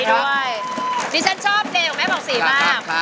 เพื่อนชาวนี้เธอชอบเก่งขึ้นแม่ผ่องศรีมาก